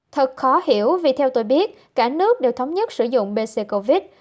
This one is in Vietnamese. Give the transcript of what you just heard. thật khó hiểu vì theo tôi biết cả nước đều thống nhất sử dụng bc covid